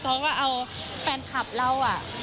เขาก็เอาแฟนคลับเรา